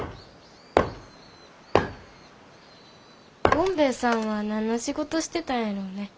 ゴンベエさんは何の仕事してたんやろね？